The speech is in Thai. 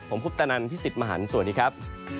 ผมคุปตะนันพี่สิทธิ์มหันฯสวัสดีครับ